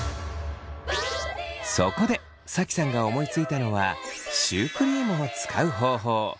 そこでＳａｋｉさんが思いついたのはシュークリームを使う方法。